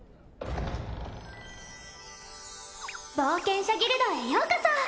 冒険者ギルドへようこそ！